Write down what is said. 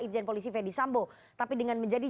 irjen polisi fedy sambo tapi dengan menjadi